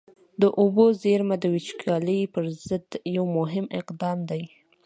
د اوبو زېرمه د وچکالۍ پر ضد یو مهم اقدام دی.